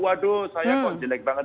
waduh saya kok jelek banget